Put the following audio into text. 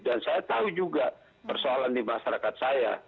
dan saya tahu juga persoalan di masyarakat saya